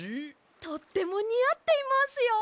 とってもにあっていますよ！